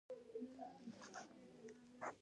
شګه رغنده ماده ده.